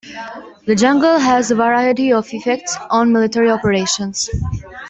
The jungle has a variety of effects on military operations.